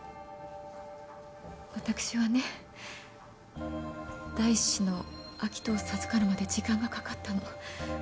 私はね第一子の明人を授かるまで時間がかかったの。